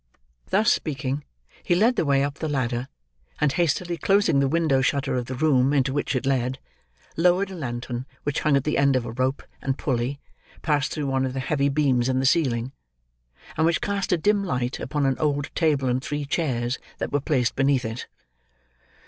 Thus speaking, he led the way up the ladder; and hastily closing the window shutter of the room into which it led, lowered a lantern which hung at the end of a rope and pulley passed through one of the heavy beams in the ceiling: and which cast a dim light upon an old table and three chairs that were placed beneath it.